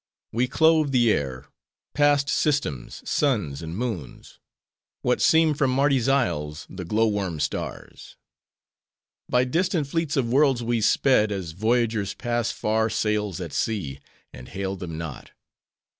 "We clove the air; passed systems, suns, and moons: what seem from Mardi's isles, the glow worm stars. "By distant fleets of worlds we sped, as voyagers pass far sails at sea, and hail them not.